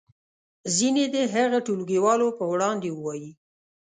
ځینې دې هغه ټولګیوالو په وړاندې ووایي.